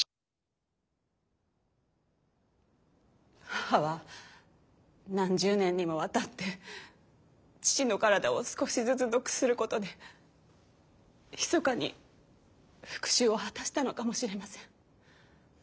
母は何十年にもわたって父の体を少しずつ毒することでひそかに復しゅうを果たしたのかもしれません。